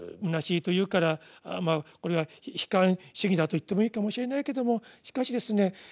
空しいと言うからこれは悲観主義だと言ってもいいかもしれないけどもしかしですね